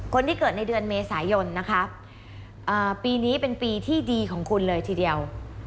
คนที่เกิดในเดือนเมษายนนะคะปีนี้เป็นปีที่ดีของคุณเลยทีเดียว